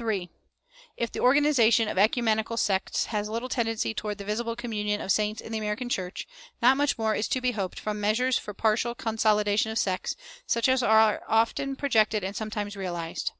III. If the organization of "ecumenical" sects has little tendency toward the visible communion of saints in the American church, not much more is to be hoped from measures for the partial consolidation of sects, such as are often projected and sometimes realized.